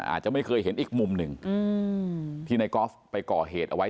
อาจจะไม่เคยเห็นอีกมุมหนึ่งที่นายกอล์ฟไปก่อเหตุเอาไว้